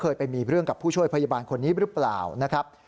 เคยไปมีเรื่องกับผู้ช่วยพยาบาลคนนี้หรือเปล่านะครับ